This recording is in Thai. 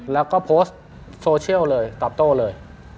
แล้วก็โพสต์โซเชียลเลยตอบโต้เลย